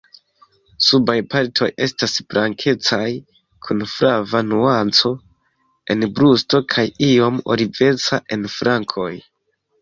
Subaj partoj estas blankecaj kun flava nuanco en brusto kaj iom oliveca en flankoj.